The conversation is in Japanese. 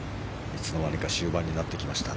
いつのまにか終盤になってきました。